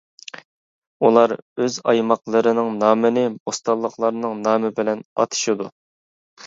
ئۇلار ئۆز ئايماقلىرىنىڭ نامىنى بوستانلىقلارنىڭ نامى بىلەن ئاتىشىدۇ.